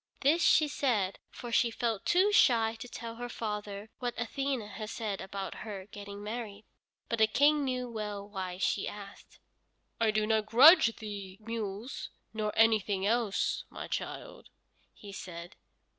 This she said, for she felt too shy to tell her father what Athene had said about her getting married. But the King knew well why she asked. "I do not grudge thee mules, nor anything else, my child," he said.